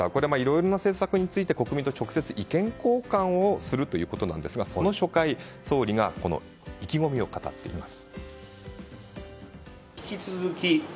いろんな政策について国民と直接意見交換をするということですがその初回総理が意気込みを語っています。